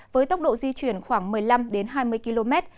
với tốc độ di chuyển khoảng một mươi năm hai mươi km